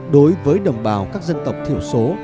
đối với đồng bào các dân tộc thiểu số